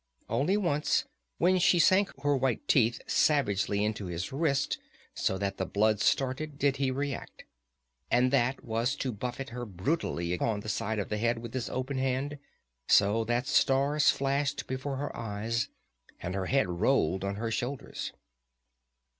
Only once, when she sank her white teeth savagely into his wrist so that the blood started, did he react. And that was to buffet her brutally upon the side of the head with his open hand, so that stars flashed before her eyes and her head rolled on her shoulders.